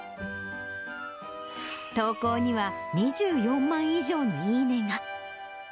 投稿には２４万以上のいいねが。